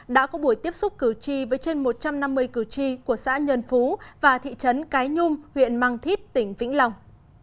đã có buổi tiếp xúc cử tri với trên một trăm năm mươi cử tri của xã nhân phú và thị trấn cái nhung huyện mang thít tỉnh vĩnh long